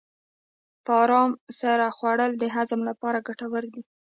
په ارام سره خوړل د هضم لپاره ګټور دي.